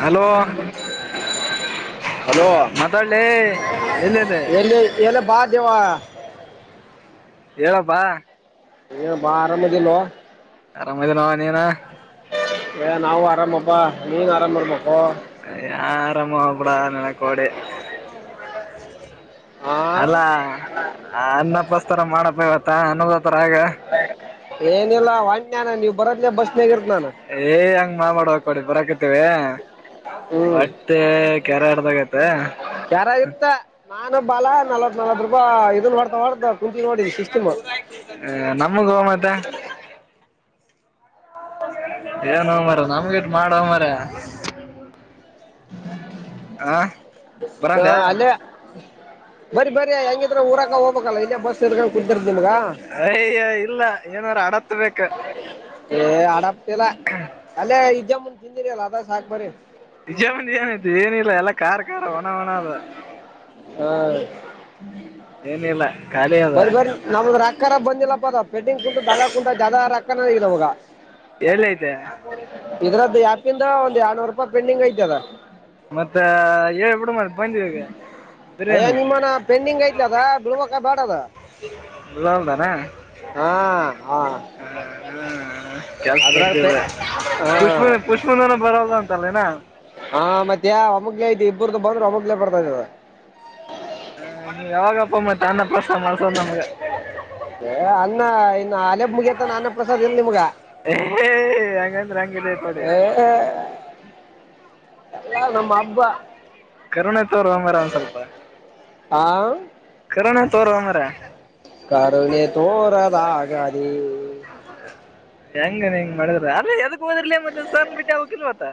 Hello hello ಮಾತಾಡ್ಲಿ ಎಲ್ಲಿದೆ ಹೇಳಿ ಹೇಳಪ್ಪ ದೇವ ಪ್ಪ ಏನಪ್ಪಾ ಆರಾಮ್ ಇದಿಯಲ್ಲ ಆರಾಮ ನೋ ನೀನ [inaudible] ನೀನು ಆರಾಮ ಇರ್ಬೇಕು ಯ ಆರಾಮ ಬಿಡ ನನಕೋಡೆ ಆ ಅಲ್ಲಾ ಅನ್ನಪಸ್ತರ ಮಾಡಪ್ಪ ಇವತ್ತ ಅನ ಏನಿಲ್ಲ ಹೊಂಟ್ಯಾ ಏ ಹಂಗ ಮಾ ಮಾಡುವ ಕೊಡಿ ಬರಾಕತಿವಿ ಹ್ಮ್ ಮತ್ತೆ ಕೆರೆ ಒಡ್ದಾಗೈತೆ ಯಾರಾಗಿತ್ತ ನಾನ ಬಲ ಕುಂತಿ ನೋಡಿ ಸಿಸ್ಟಮ್ ಹ ನಮ್ಮ ಗೋ ಮಾತೆ ಏನ ಮರ ನಮ್ಗೇಟ್ ಮಾಡುವ ಮರಯ [inaudible] ಹಾ ಬರಂದ ಅಲ್ಲೇ ಬರರಿ ಬರಿ ಹೆಂಗಿದ್ರ ಊರಾಕ ಹೋಗಬೇಕಲ್ಲ ಇಲ್ಲೇ ಬಸ್ ಎ ಕುಂದರ್ ಅಯ್ಯ ಇಲ್ಲ ಏನಾರ ಅಡತ್ ಬೆಕ್ ಏ ಆಡ ಅಲ್ಲೇ ಇದ್ದ ಮುಂದೆ ತಿಂದಿನಿ ಅಲ್ಲ ಅದ ಸಾಕಕ್ ಬರರಿ ವಿಜಯ ಮಂದಿ ಏನಾಯ್ತು ಏನಿಲ್ಲ ಎಲ್ಲ ಖ ಖಾರ ಒಣ ಹಣ ಅದ [inaudible] ಏನಿಲ್ಲ ಖಾಲಿ ಅದ ಬರಿ ಬರಿ ನಮ ರಾಕಾರ ಬಂದಿಲ್ಲ ಪೆಡ್ಡಿಂಗ ಕುಂತು ದಗ ಕುಂಟಾ ಜದ ರಕ್ಕಗಿದವಾಗ ಎಳ್ತೈ ಕಂದ ಒಂದಂದುರ್ ನೂರು ರೂಪಾಯ ಪೆಂಡಂಗ್ ಐತೆ ಹ ಮತ್ತ ಹೇಳ್ಬಿಡು ಮತ್ ಬಂದ್ವಿ ಈಗ ಅಯ್ಯ ಬಿರಿಯಾನಿ ನಿಮ್ಮನ ಪೆಂಡಿಂಗ್ ಐತ್ಲ ಅದ ಬಿಳ್ುವಕ ಬ್ಯಾಡ ಅದ ಬರಲ್ದಾನ ಹ ಕೆಲ್ಸ ಕೊಡ್ತೇದೆ ಪುಷಪನ ಪುಷಪನನ ಬರಲ್ಲ ಅಂತಲ್ಲಏನಾ [unintelligible] ಹಾ ಮತ್ತೆ ಅಮಗ್ಲ ಐತಿ ಇಬ್ಬ್ರ್ದ ಬಂದ್ರೆ ಅಮಗ್ಲ ಬರ್ತಾ ಇದದ ಹ ನೀ ಯಾವಾಗಪ್ಪ ಮ ತಾನಪ್ಪ [unintelligible] ಹ ಸಸ ನಮಗೆ [unintelligible] ನಾ ಅಲೆೆ ಮುಗ ಅತ ನಾನ ಪ್ರಸಾದ್ ಇಲ್ ನಿಮ್ಗ ಏ ಹಂಗಂದ್ರೆ ಹಂಗಿದೆತಡಿ ಏ ಎಲ್ಲ ನಮ್ಮ ಹಬ್ಬ ಕರುೋಣೆ ತ ಅವರ್ ಮಾರ ಒಂದ ಸ್ವಲ್ಪ ಆ ಕರೋಣ ತೋರ್ ಅಂದ್ರೆ ಈ ಹೆಂಗನ್ ಹೆಂಗ್ ಮಾಡಿದ್ರ ಅ ಹೋದಿರ್ಲಿ ಮತ್ತೆ ಸನ್ ಬಿಟ್ಟೆ ಯ ಕೆಲ್ವತ್ತ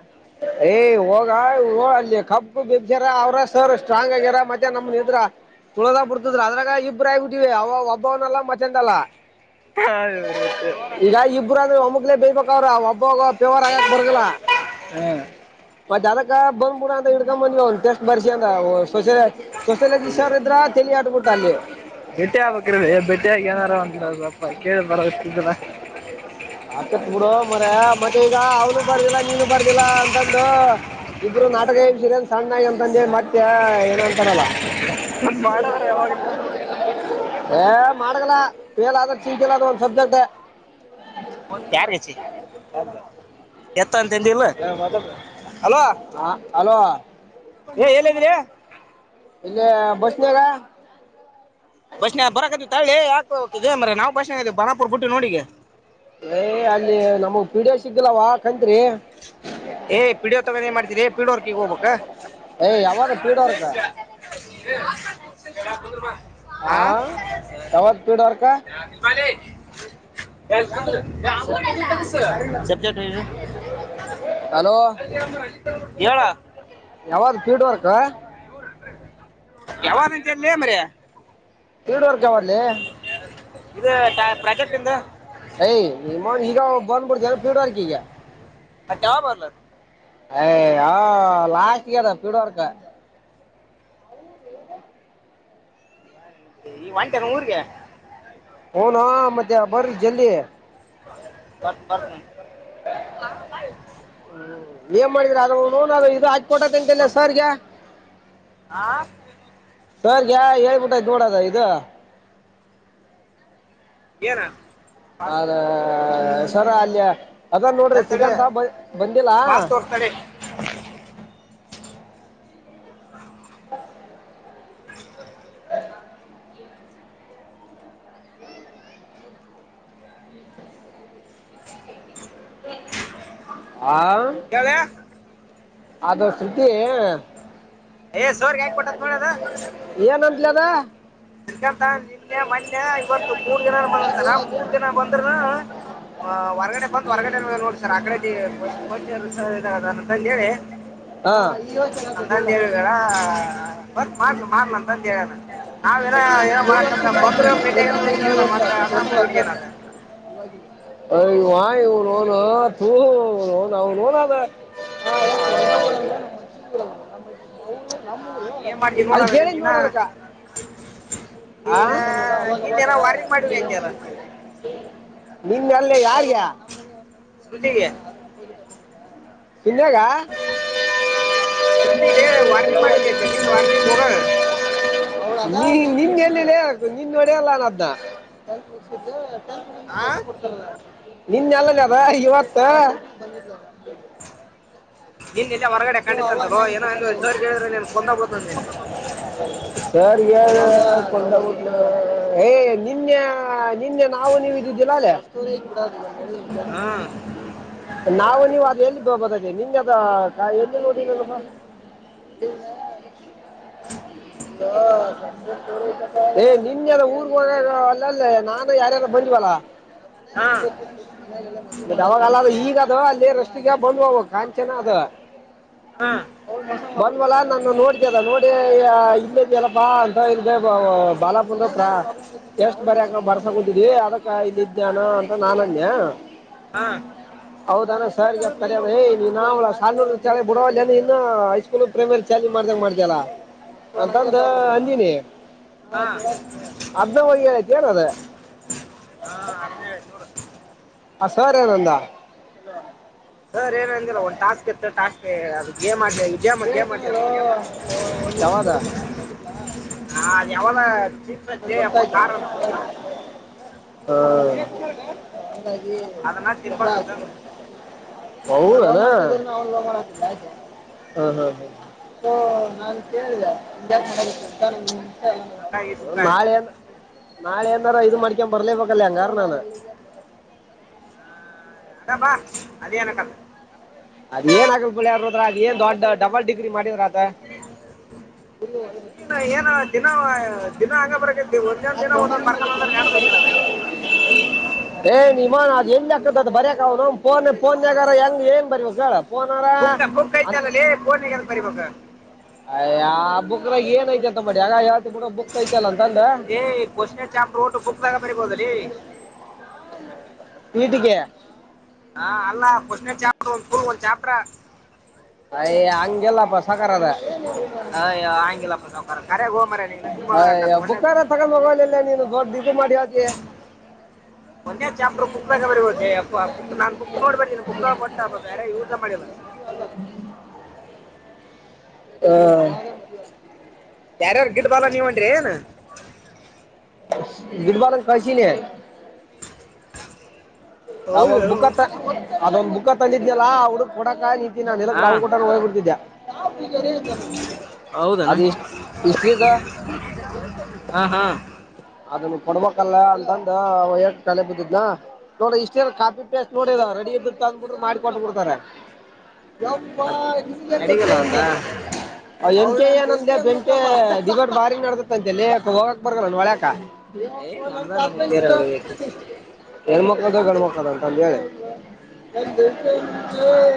ಕಬ್ಪ್ ಬಿಸ್ಯಾರ ಅವ್ರ ಸರ್ ಸ್ಟ್ರಾಂಗ್ ಆಗ್ಯಾರ ಮತ್ತೆ ನಮ್್ರ ತುಳುದು ಬಿಡ್ತದ್ರ ಅದಾಗ ಅಭಿರಾಯ ಬಿಟ್ಟೆ ಒಬ್ಬವೆಲ್ಲ ಮತ್ತೆ [unintelligible] ಜಂಗಾ ಹದೇರಚ [unintelligible] ಒಬ್ಬೋಗ ಆಗಕ್ ಬರಲ್ಲ ಹಾ ಬರಿ [unintelligible] ಅದಕ್ಕ ಬಂದ್ಬಡ ಅಂತ ಹಿಡ್ಕೊ ಬಂದ್ವಿ ಅವ್ ಟಸ್ಟ್ ಬರ್ಸಿ ಅಂದ ಸೊಸೆ ಸೊಸೆಲಜಿ ಇ ಸರ್ ಇದ್ರ ತಲಿ ಆಟ್ಬಿಟ್ಟ ಅಲ್ಲಿ ಬೆಟ್ಟಿ ಆಗ್ಬೇಕ್ರದೆ ಬೆಟ್ಟ ಆಗಿ ಏನಾರು ಅಂತ ಕೇಳ [unintelligible] ಆಕತ್ ನಡ ಮರ ಮತ್ತೆ ಈಗ ಅವನು ಬರ್ದಿಲ್ಲ ನೀನು ಬರ್ದಿಲ್ಲ ಅಂತಂದು ಇಬ್ರು ನಾಟಕ ಎಬ್ಸರನ್ ಸಣ್ಣಾಗಿ ಅಂತಂದೆ ಮತ್ತೆ ಏನ್ ಅಂತಾರಲ್ಲ ಮತ್ತೆ ಮಾಡದ್ರ ಯಾವಾಗ ನೀವು ಹ ಮಾಡಡಕಲ ಪಲ್ಲ ಸಿ ಸಬ್ಜೆಕ್ಟ್ ಎ [unintelligible] ಅಂತಿಲ್ಲ ಹಲೊ ಹಲೋ ಏ ಏಲ್ಲದಿಲೆ ಇಲ್ಲಿ ಬಸ್ನಾಗ [unintelligible] ಬಸ್ ನ ಬರಕ ತಳಿ ಯಾಕ ಹಿದೆ ಅಂದ್ರೆ ನಾವು ಭಾಷಣ ಬನಾಪುರ್ ಬಿಟ್ಟು ನೋಡಿಗೆ ಯ ಅಲ್ಲಿ ನಮಗ್ ಪೀಡಿಯ ಸಿಗ್ಲ್ಲವಾ ಕಂತ್ರಿ ಏ ಪಿ ಡಿ ಒ ತಗಾನ ಏನ್ ಮಾಡ್ತೀರಿ ಪಿಡೋರ್ಕ ಹೋಗ್ಬೇಕ ಏ ಯಾವಾಗ ಪೀಡೋರ್ಕ ಆ ಯಾವತ್ ಪೀಡೋರ್ಕ ಸಬ್ಜೆಟ್ [unintelligible] ಅಲೋ ಅ [unintelligible] ಹೇಳ ಯಾವ್ದ್ ಫೀಡ್ ವರ್ಕ್ ಯಾವಾಗಂತಲಿ ಮರಿ ಹ [unintelligible] ಯ ಇದು ಪ್ರಾಜೆಕ್ಟ್ ಇಂದ ನಿಮ್ಮ ಈಗ [unintelligible] ಬಿೂಡ್ಗ ಹ ಕವ ಬರ್ಲ ಯ ಹ ಲಾಸ್ ಇದ ಪೀಡುುವಾರ್ಕ ಈ ಒಂಟೆನ ಊರ್ಗೆ ಹನ್ ಮತ್ತ್ಯಾ ಬರ್ರಿ ಜಲ್ ಬರ್ ಬರ್ ಮತ್ತ ಪಾವಲ್ ನೀಯಮ್ ಮಾಡಿದ್ರ ಆದ್ರ ಇದು ಕೊಟ ತಿಂತಲ್ಲ ಸರ್ಗ ಹಾ ಸರ್ಗೆ ಹೇಳ್ಬಿಟ್ಟೈ ನೋಡದ ಇದು ಏನ ಹದ ಸರ ಅಲ್ಯ ಅದ ನೋಡ್ರಿ ತಡಿ ತಡಿ ಸಿಗಂತ ಬ ಬಂದಿಲ್ಲಾ ಮಾಸ್ ತೋರಿಸ್ತಾಳೆ [inaudible] ಹ ಹ ಆ ಇವಾಗ ಅದು ಶರುತಿ ಏ ಸೋರ್ಗೆ ಯಾಕೆ ಕೊಟ್ಟತ್ ನೋಡದ ಏನ ಇಲ್ಲದಾ ಇದಕಂತ ನಿನ್ನೆ ಮನ್ನೆ ಇವತ್ತು ಮೂರ್ ಜನ ಬಂದ ಸರ್ ಮೂರ್ ಜನ ಬಂದ್ ಹೊರಗಡೆ ಬಂದ್ ಹೊರಗಡೆ ನೋಡಿ ಸರ್ ಆಕಡೆ ಬ ನಂದ ಹೇಳಿ ಹಾ ಅಂದ ಅಯ್ಯವ್ವ ಹೇಳಗಾರ ಬರ್ಕ್ ಮಾಡ್ಲಿ ಮಾಡ್ಲಂತ ನಾವ ಏನೋ ಮರಕಂದ್ರೆ ಬಂದ್ ಪೇಟೆಗೆ ಇಲ್ಲ ಅಂದ್ರೆ ಮತ್ತ ಅದ ಹೋಗಿಡ ವಾಯಿನುಣ ತೂನುಣ ಅವನು ನ ಅ ಆ, ಏನ್ ಮಾಡ್ತೀನಿ ಅದು ನೋಡೋದಕ್ಕೆ ಕೇಳಿದ ನೀನ ನೋಡದಕ್ಕ ಆ ನೀನ ನೀನ್ ಏನೋ ವಾರ್ನಿಂಗ್ ಮಾಡಿವಿ ಅಂತೀಯಲ್ಲ ನಿನಾ ಅಲ್ಲಿ ಯಾರಗ [unintelligible] ಸ ವಾರ್ನಿಂಗ್ ಮಾಡ ಚಲ್ಲಿನ್ ವಾರ್ನಿಂಗ್ ಹೋಗ ನೀ ನಿ ಎಲ್ಲ ಹು ನಿನ್ನ ನೋಡಲ್ಲಾನ ಅದ್ದ ಆ ನಿನ್ಲ್ಲಲ್ಲಿ ಅದ ಇವತ್ತು ಹ ನಿನ್ನ ಇಲ್ಲೇ ಹೊರಗಡೆ ಕಂಡಿತ್ತಂತಲೋ ಏನೋ ಎಂದು ಸರ್ ಹೇಳಿದ್ರೆ ನೀನು ಕೊಂದೋಗ್ಬೋದು ನೀನು ಸರ್ ಎ [unintelligible] ಏ ನಿನ್ನೆ ನಿನ್ನೆ ನಾವು ನೀವ ಇದಿದ್ದಿಲ್ಲ ಅಲ್ಲೇ ಹಾಂ ನಾವ ನೀವತ ಎಲ್ಲಿ ಬ ನಿ ಅದ ನಾ ಎ ನೋ ಏ ನಿನ್ಲ್ಲ ಊರ್ ಹ ಅಲ್ಲಲ್ಲೇ ನಾನು ಯಾರ್ಯಾರ ಬಂದ್ವಲ್ಲ [unintelligible] ಹಾಂ ಯಾವಾಗಲ್ಲ ಈಗ ಅದ ಅಲ್ಲಿ ರಸ್ತೆಗೆ ಬಂದ್ ಅವಾಗ ಕಾಂಚನ ಅದ ಹಾಂ ಮಂದವಲ ನಾನು ನೋಡ್ತದ ನೋಡಿ ಇಲ್ಲ ಇದ್ಯಲ್ಲಪ್ಪಾ ಅಂತ ಇ ಬಾಲಾಪ ಅಂದ ಟೆಸ್ಟ್ ಬರ್ಯಾಕ್ ಬರ್ಸಕತಿದವಿ ಅದಕ್ಕ ಇಲ್ಲಿದಾನು ಅಂತ ನಾನನ್ಯ ಹಾ ಹೌದಾನ ಸಾರ್ ಗ ಹೇಳ್ತೇನೆ ತಡಿ ಏ ನಿನ್ನ ಯಾವ ಸಣ್ಣ ಳೆ ಬುಡವನ ಇನ್ನು ಹೈಸ್ಕೂಲ್ ಪ್ರೈಮರಿ ಚಾರ್ಜ್ ಮಾಡ್ತ ಮಾಡ್ತಲ ಅಂತ ಅಂಜಿನಿ ಹಾಂ ಹಾಂ ಅ ಹೋಗಿ ಹೇಳಿದ್ದೇನು ಅದ ಅದನ್ನೇ ಹೇಳಿ ನೋಡು ಅ ಸರ ಏನ್ ಅಂದ ಅಂದ್ರ ಒಂದು ಟಾಸ್ಕ್ ಇತ್ತ ಟಾಸ್ಕ್ ಗೆ ಅದು ಗೇಮ್ ಯಾವಾಗ [unintelligible] [unintelligible] [unintelligible] ಹ ಅದಕಾಗಿ ಅದನ್ನ ಜಗಡಾ ಆಯ್ತು ತಿನ್ಬೇಕಂತಂದು ಹೌದೆನ್ನ ಹಾ ಹಾ ನಾಳೆ ಏನ್ [unintelligible] ನಾಳೆ ಏನರ ಇದು ಮಾಡಿಕೊಂಡ ಬರಲೇ ಬೇಕರ್ ಹಂಗ ಆದ್ರ ಅದಾ ಬಾ ಅದನೆಕ್ಕಲ್ಲ ಅದ್ ಏನ್ ಆಗಲ್ ಬಿಳಾರ ಹದ್ರ ಅದ ಏನ್ ದೊಡ್ಡ ಡಬಲ್ ಡಿಗ್ರಿ ಮಾಡಿದ್ರ ಅದ ಏನ ದಿನ ದಿನ ಹಂಗ ಬರಕೈತಿ ಒಂದೊಂದು ದಿನ ಒಂದೊಂದು ಬರ್ಕೊಂಬಂದ್ರೆ ನಡೆದೋಗಿರೋದು [unintelligible] ಏ ನಿಮ್ಮ ಅವ್ನ್ ಅದ ಹೆಂಗ ಆಗತ್ತಾ ಅದ್ ಬರಯಕ್ ಅವ್ನ್ ಅವ್ವನ ಫೋನ್ ಫೋನ್ ಯಾರ ಹೆಂಗ ಏನ್ ಬರಿಬೇಕ ಹೇಳು ಬುಕ್ ಬುಕ್ ಐತಿ ಅಲ್ಲ ಲೆ ಪೋನ್ ಎಡಕ್ಕೆ ಬರೀಬೇಕು ಅಯ್ ಆ ಬುಕ್ ಏನ್ ಐತ ಮಾಡಿ ಆಗ ಯಾವ ಬುಕ್ ಐತಲ್ಲ ಅಂತ ಕ್ವೆಶ್ಚನ್ ಚಾಪ್ಟರ್ ಓದ ಬುಕ್ ದಾಗ ಬರೀಬಹುದಲೆ ವೀಟಿಗೆ ಹಾ ಅಲ್ಲನ ಫಸ್ಟ್ ಚಾಪ್ಟ್ರ್ ಒಂದ್ ಕ ಒಂದ್ ಚಾಪ್ಟ್ರ ಅಯ ಹಂಗೆಲ್ಲಪ್ಪ ಸಾಕಾರ ಅದ ಅಯ ಹಂಗಿಲ್ಲಪ್ಪ ನಖರಗ್ ಹೋ ಮರ ನಕ್ಲಿ ಅಯ್ಯ ಮಾಡಕತ್ ಬುಕ್ಕಾರ ತಗೊಂಡ್ ಹೋಗಲಿಲ್ಲ ನೀನು ದೊಡ್ಡ ಇದು ಮಾಡಿ ಹೇಳ್ತಿ ಒನ್ನೆ ಚಾಪ್ಟರ್ ಬುಕ್ ದಾಗ ಬರಿಬಹುದು ಯಪ್ಪಾ ನಾ ಬುಕ್ ನೋಡಿ ಬರ್ದೀನಿ ಬಟ್ ಬ್ಯಾರೆ ಯೂಸ್ ಮಾಡಿಲ್ಲ [unintelligible] ಹಾ ಯಾರ್ಯಾರ್ ಗಿಡ್ ಬಾಲ ನೀವಅಂದಿರಿ ಏನ್ [unintelligible] ಹೌದು ಅವಾಗ್ ಬುಕ್ತ್ತ ಅದೊಂದು ಬುಕ್ ತಂದಿದ್ನಲ್ಲ ಅವ್ಡುಕ್ ಕೊಡಕ [unintelligible] ಹಾ ಹೌದನ ಅದು ಇಷ್ಟಲಿ ಸ ಹಾ ಹಾ ಅದು ಕೊಡ್ಬೇಕಲ್ಲ ಅಂತಂದ ತಲೆೆ ಬಿದ್ದಿದ್ನ ನೋಡ ಇಷ್ಟ ಕಾಪಿ ಪೇಸ್ಟ್ ನೋಡಿದ ರೆಡಿ ಇದ ಅಂದ್ಬಿಡ್ರೆ ಮಾಡಕೊಂಡು ಬಿಡ್ತಾರೆ [inaudible] ಮತ್ ನಡಿಗಲ್ಲ ಅದ ಎಂಟೆ ಏನಂದ ಬೆಂಟೆ ಬಾರಿ ನಡತತ್ತ ಅಂತೆೇಳ ಯಾ ಹೋಗಕ್ ಬರೋಲ್ಲಣ ಹೊಳ್ಯಾಕ ಏ ನಮ್ದ ನಮಗ್ ತೇರ ಹೇಳ್ಬೇಕು. [unintelligible] ಹೆಣ್ಮಕ್ಳ ಗಣ ಮಕ್ಳ [inaudible] ಟಳ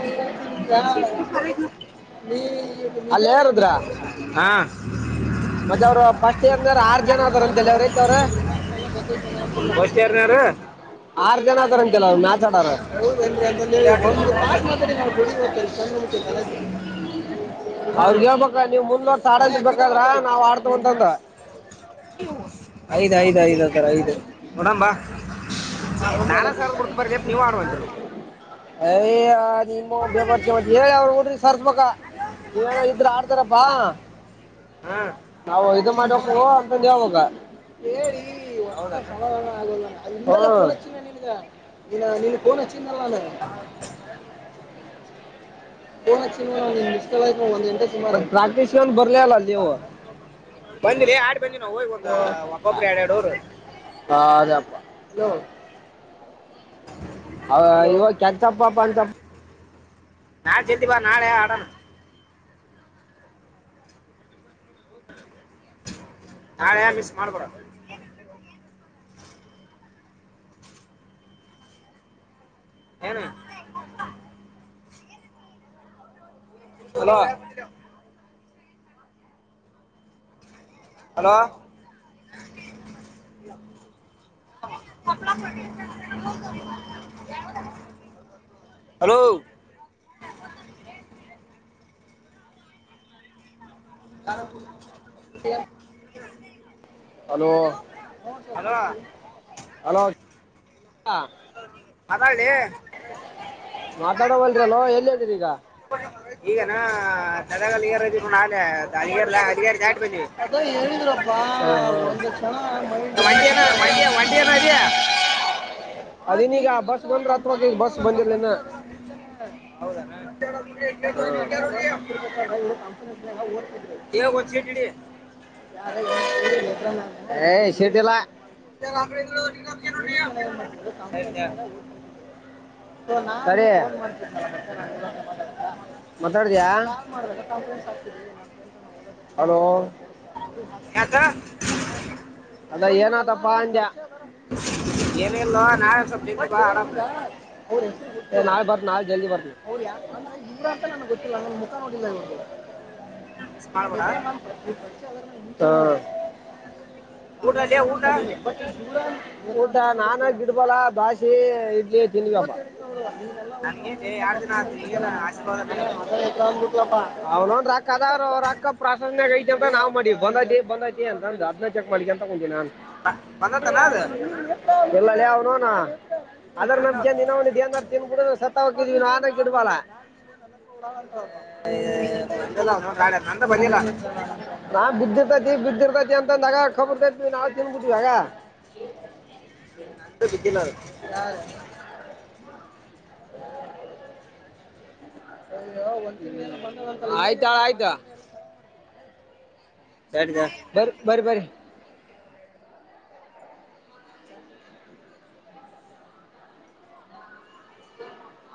[unintelligible] ಅಲ್ಲ ಯಾರದ್ರ ಹಾ ಮತ್ತ ಅವರು ಫಸ್ಟ್ ಏಂದ್ರ ಆರ್ ಜನ ಅದಾರ ಅಂತ ಅವತ ಫಸ್ಟ್ ಇಯರ್ನವ್ರು ಅವ್ರ [inaudible] ಜನಾದರ [inaudible] [unintelligible] ಕೆಲದು [inaudible] ಅವ್ರಗ್ ಹೇಳ್ಬ ನೀವು ಮುಂದರ್ ತಾಡ ಬರ್ಕ್ರ ನಾವ್ ಆಡ್ತ ಉಂತಂತ [inaudible] ಅಯ ಐದ್ಐದತರ ಐದು ಹಡಂಬ ನಾನ ಸದ್ ಕೊಡ್ಕೊಂಬರ ನೀವ್ ಆವಂತ ಹಾ [inaudible] ನಿ ಬೇ ಹೇಳಿ ಅವ್ರಡ್ರಿ ಸರ್ಸ್ಬೇಕ ನೀನೋ ಇದ್ರ ಆಡ್ತಾರಪ್ಪ ಹಾ ನಾವು ಇ ಮಾಡ್ಬೇಕ ಅಂತ ಹಬೇಕ ಒತ್ತ ಹೌದನ ಸಮಾಧಾನ ಆಗೋದ ಗನ್ [inaudible] ನ್ನ [inaudible] ಹ ಸಮಾರ ಮಿಸ ಒಂದ್ ಗಂಟೆ ಸುಮಾರ ಪ್ರಾಕ್ಟೀಸ್ ಬರ್ಲ ಅಲ್ಲ ಅಲ್ಲಿವು ನಾ ಈ ಒಂದ ವಕಾಬರಿ ಎರಡ ಎರಡೋರು ಬಪ್ಪ ಹ ಹ ಇವ ಕೆಂತಪ್ಪಪ್ಪ ಅಂತಪ್ಪ ನಾಳ ಸ್ದತಿಪಾ ನಾಳೆ ಆಡಣ ನಾಳೆ ಮಿಸ್ ಮಾಡ್ಬೋಡ ಏನು ಹಲೋ ಹಲೋ [inaudible] ಹಲೋ ಕರಪು [inaudible] ಹ [inaudible] ಹಲೋ ಹಲೋ ಹಲೋ ಹ ಮಾತಾಡ್ಲಿ ಮಾತಾಡವಲ್ ಅಲ್ವ ಎಲ್ಲಿ ಹೇಳ್ದರಿ ಈಗ ಈಗ ನಾ ಸದಗಾಲಾರ ಇದರು ನಾಳೆ ಅಧ ಅಧಾ ಅದ ಹೇಳಿದ್ರಪ್ಪಾ ಒಂದ ಕ್ಷಣ ಮೈಂಡ ಏ, ವಂಡಿ ಏನ ವಂಡಿ ವಂಡಿ ಏನೋ ಇದೆಯಾ ಅದನೀಗ ಬಸ್ ಬಂದ್ರ ಅಥವಾ ಬಸ್ ಬಂದಿರ್ಲನ ಹೌದಾಾರೋಗ ಹೌ ಬಚ ಏ ಶೇಟಲ್ಲ ಅ ರಾತ್ರಿ ಎ ರೊಟ್ಟ ಕತ ರಟಿಯ ಪ್ರಶನೆರ ಸರಿ ಮಾತಾಡಿದಯಾ ಹಲೋ ಅದೇ ಹಾಕಬಡ್ ಯಾಕ ಅದ ಏನತಪ್ಪ ಅಂಡ್ಯ ಏನಲ್ವಾ ನಾ ಬ ನನ್ಗ ನಾಳೆ ಬ ನಾಳೆ ಜಲ್ದಿ ಬರ್ತ ಅಂದ್ರ ಇವರಂತ ನನಗೆ ಗೊತ್ತಿಲ್ಲ ನ ಮುಖ ನೋ ನ ಮಿಸ್ ಎ ಮಾಡ್ಬೇಡ ನ ಹಾ ಊಟ ಅಲ್ಲೇ ಪಾಲಲ್ಲ ಊಟ ಮ ದೂರ ಊಟಾ ನಾನ್ ಗ ಬಿಡ್ಬಲ್ಲಾ ದಾಾಸಿ ಇದ ತಿನ್ಬೇಕ ಇಲ್ಲ ನನಗೇನ್ ಎರಡು ದಿನ ಆಯ್ತು ಈಗೇನ ಅ ಆಶೀರ್ವಾದನೇ ಇಲ್ಲ ಕ್ ಬಿಟ್ಟಪ್ಪಾ ಅವ್ ನೋ್ರ ಅಕ್ಕ ಅದ್ರ ಅವ್ ಅಕ್ಕ ಪ್ರಾಾಸನ್ಯ ಐತೆ ಅಂತ ನ್ ಮಾಡಿ ಬಂದೈಐತಿ ಬಂದೈಐತಿ ಅಂತಂದ ಅದನ್ನ ಚಕ್ ಮಾಡಲಿ ಅಂತಕೊತೀನ ನಾನ್ ಬಂದತಾನ ಅದು ಎಲ್ಲಡೆ ಅವ ನೋಣ [inaudible] ಅದ್ರ ನಂದು ನಮ್ಏನ್ಡ [inaudible] ಹ ಬಂದಲ್ಲ ಗಾಡ ನಂತ ಬರಿಲ್ಲ ನಾ ಬಿದ್ದಿರ್ತೈತಿ ಬಿದ್ದಿರ್ತೈತಿ ಅಂತ ನಗಖೊಬರ್ದದ್ವಿ ನಾವು ತಿನ್ಬಿಟ್ವಿ ಆಗ ನಂದು ಬಿದ್ದಿಲ್ಲ ಅದು ಹಾ ಆಯ್ತಾ ಆಯ್ತಾ ಸರಿ ಬರ ಬರ ಬರಿ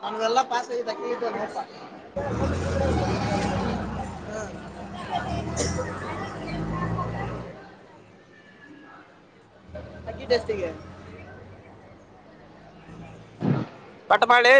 ನನಗೆಲ್ಲ ಪ [inaudible] [inaudible] ಹಕ್ಕ ದಸಿಗೆ ಪಟಪಾಳೆ